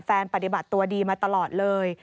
ปฏิบัติตัวดีมาตลอดเลย